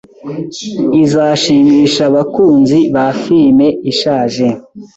izashimisha abakunzi ba firime ishaje